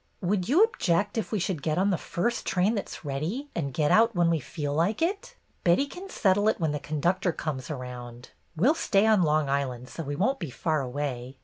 ''Would you object if we should get on the first train that 's ready, and get out when we feel like it ? Betty can settle it when the con ductor comes around. We 'll stay on Long Island, so we won't be far away.